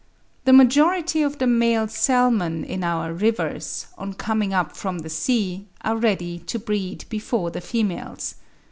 The majority of the male salmon in our rivers, on coming up from the sea, are ready to breed before the females.